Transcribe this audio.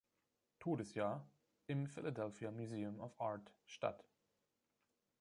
Todesjahr, im Philadelphia Museum of Art statt.